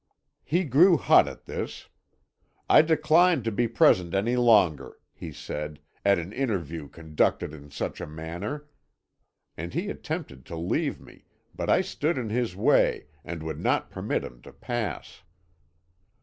"He grew hot at this. 'I decline to be present any longer,' he said, 'at an interview conducted in such a manner.' And he attempted to leave me, but I stood in his way, and would not permit him to pass.